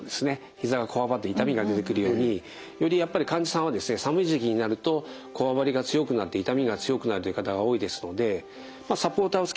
ひざがこわばって痛みが出てくるようによりやっぱり患者さんはですね寒い時期になるとこわばりが強くなって痛みが強くなるという方が多いですのでサポーターをつけてるとですね